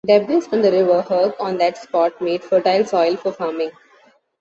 Debris from the river Herk on that spot made fertile soil for farming.